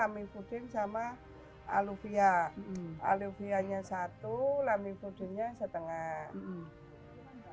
terutama aluviah aluviahnya satu lamifudinnya setengah